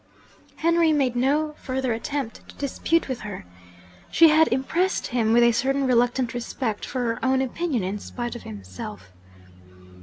Henry made no further attempt to dispute with her. She had impressed him with a certain reluctant respect for her own opinion, in spite of himself.